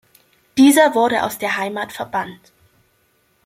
Dieser wurde aus der Heimat verbannt.